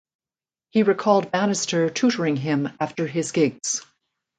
He recalled Banister tutoring him after his gigs.